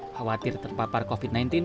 khawatir terpapar covid sembilan belas